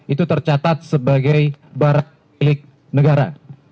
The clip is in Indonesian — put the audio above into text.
itu tercatat sebagai barang milik negara